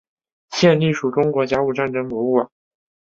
现隶属中国甲午战争博物馆。